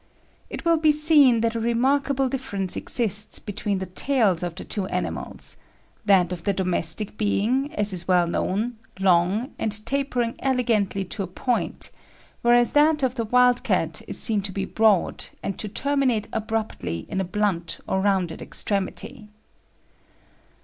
It will be seen that a remarkable difference exists between the tails of the two animals; that of the domestic being, as is well known, long, and tapering elegantly to a point, whereas that of the wild cat is seen to be broad, and to terminate abruptly in a blunt or rounded extremity.